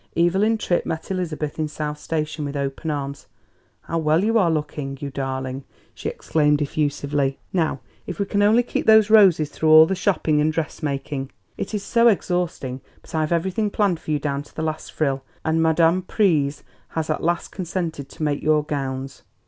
Evelyn Tripp met Elizabeth in South Station with open arms. "How well you are looking, you darling!" she exclaimed effusively. "Now if we can only keep those roses through all the shopping and dressmaking. It is so exhausting; but I've everything planned for you down to the last frill, and Madame Pryse has at last consented to make your gowns!